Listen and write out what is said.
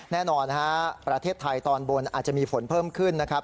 แน่นอนฮะประเทศไทยตอนบนอาจจะมีฝนเพิ่มขึ้นนะครับ